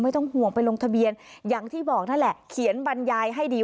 ไม่ต้องห่วงไปลงทะเบียนอย่างที่บอกนั่นแหละเขียนบรรยายให้ดี